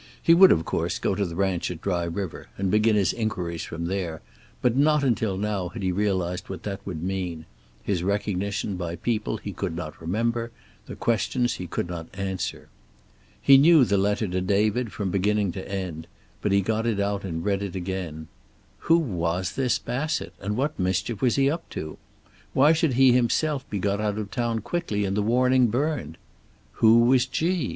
He would, of course, go to the ranch at Dry River, and begin his inquiries from there, but not until now had he realized what that would mean; his recognition by people he could not remember, the questions he could not answer. He knew the letter to David from beginning to end, but he got it out and read it again. Who was this Bassett, and what mischief was he up to? Why should he himself be got out of town quickly and the warning burned? Who was "G"?